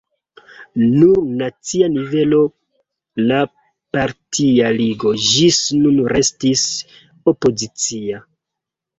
Sur nacia nivelo la partia ligo ĝis nun restis opozicia.